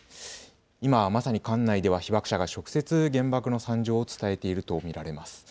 今まさに館内では直接原爆の惨状を伝えていると見られます。